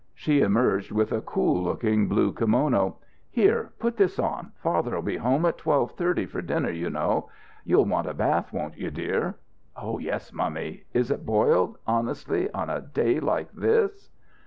She emerged with a cool looking blue kimono. "Here. Put this on. Father'll be home at twelve thirty, for dinner, you know. You'll want a bath, won't you, dear?" "Yes. Mummy, is it boiled honestly? on a day like this?"